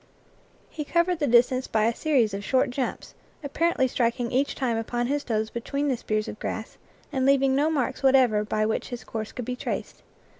He covered the distance by a series of short jumps, ap parently striking each time upon his toes between the spears of grass, and leaving no marks whatever by which his course could be traced.